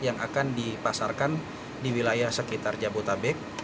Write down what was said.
yang akan dipasarkan di wilayah sekitar jabotabek